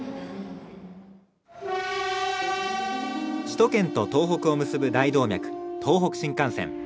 首都圏と東北を結ぶ大動脈東北新幹線。